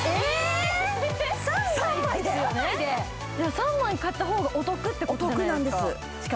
３枚買った方がお得ってことじゃないですか！